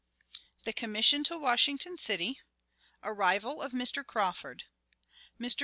The Commission to Washington City. Arrival of Mr. Crawford. Mr.